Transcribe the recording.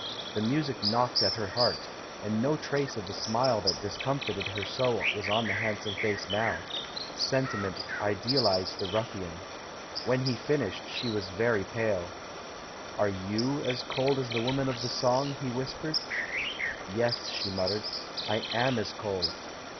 The mu sic knocked at her heart, and no trace of the smile that discomfited her so much was on the hand some face now — sentiment idealised the ruffian. When he finished she w^as very pale. "Are you as cold as the woman of the song?" he whispered. "Yes," she muttered, "I am as cold."